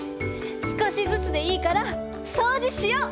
すこしずつでいいからそうじしよ！